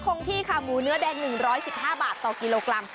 คงที่ค่ะหมูเนื้อแดง๑๑๕บาทต่อกิโลกรัม